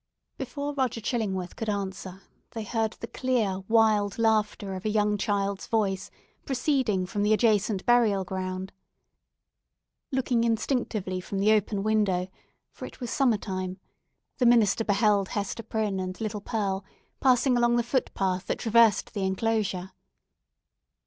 Before Roger Chillingworth could answer, they heard the clear, wild laughter of a young child's voice, proceeding from the adjacent burial ground. Looking instinctively from the open window—for it was summer time—the minister beheld Hester Prynne and little Pearl passing along the footpath that traversed the enclosure.